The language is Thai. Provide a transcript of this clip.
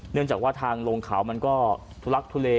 เนื่องจากว่าทางลงเขามันก็ทุลักทุเล